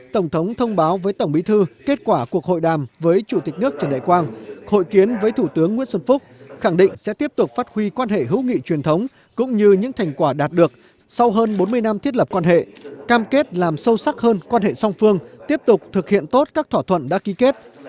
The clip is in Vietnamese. tổng thống thông báo với tổng bí thư kết quả cuộc hội đàm với chủ tịch nước trần đại quang hội kiến với thủ tướng nguyễn xuân phúc khẳng định sẽ tiếp tục phát huy quan hệ hữu nghị truyền thống cũng như những thành quả đạt được sau hơn bốn mươi năm thiết lập quan hệ cam kết làm sâu sắc hơn quan hệ song phương tiếp tục thực hiện tốt các thỏa thuận đã ký kết